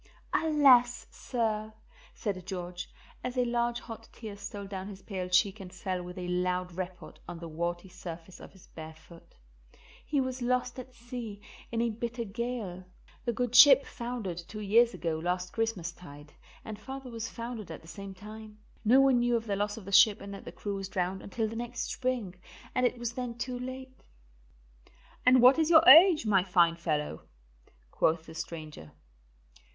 "Alas, sir," said George, as a large hot tear stole down his pale cheek and fell with a loud report on the warty surface of his bare foot, "he was lost at sea in a bitter gale. The good ship foundered two years ago last Christmastide, and father was foundered at the same time. No one knew of the loss of the ship and that the crew was drowned until the next spring, and it was then too late." "And what is your age, my fine fellow?" quoth the stranger.